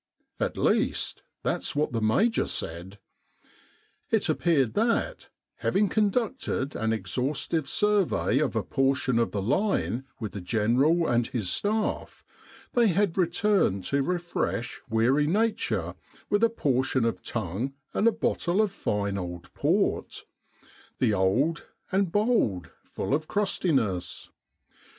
At least, that's what the Major said. It appeared that, having conducted an exhaustive survey of a portion of the line with the General and his staff, they had re turned to refresh weary nature with a portion of tongue and a bottle of fine old port — the old and bold, full of crustiness.